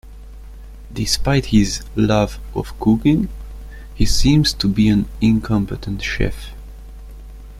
Despite his love of cooking, he seems to be an incompetent chef.